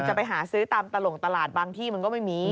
จะไปหาซื้อตามตลงตลาดบางที่มันก็ไม่มี